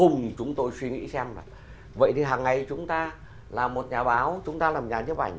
nghĩ xem là vậy thì hằng ngày chúng ta là một nhà báo chúng ta là một nhà chấp ảnh